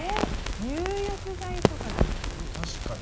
入浴剤とかですかね？